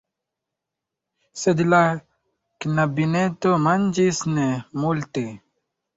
Sed la knabineto manĝis ne multe.